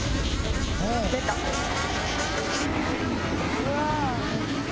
うわ！